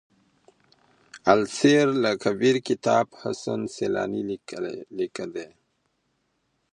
السير لکبير کتاب حسن سيلاني ليکی دی.